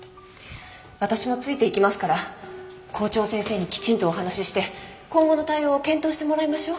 私もついていきますから校長先生にきちんとお話しして今後の対応を検討してもらいましょう。